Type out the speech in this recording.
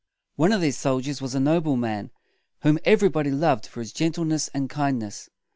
One of these soldiers was a no ble man, whom everybody loved for his gen tle ness and kindness.